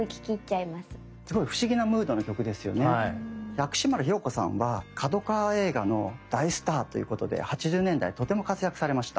薬師丸ひろ子さんは角川映画の大スターということで８０年代にとても活躍されました。